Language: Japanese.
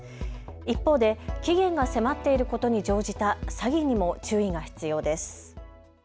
一方で期限が迫っていることに乗じた詐欺にも注意が必要です。